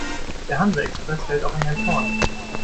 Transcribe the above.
Der Hanse-Express hält auch in Elmshorn.